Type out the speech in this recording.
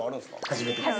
◆初めてです。